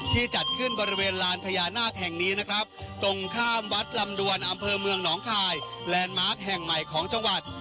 จัดขึ้นบริเวณลานพญานาคแห่งนี้นะครับตรงข้ามวัดลำดวนอำเภอเมืองหนองคายแลนด์มาร์คแห่งใหม่ของจังหวัด